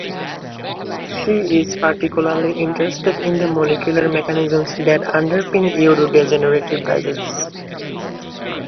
She is particularly interested in the molecular mechanisms that underpin neurodegenerative diseases.